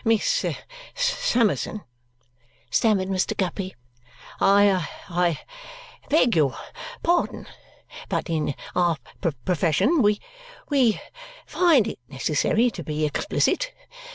"Miss Summerson," stammered Mr. Guppy, "I I beg your pardon, but in our profession we we find it necessary to be explicit.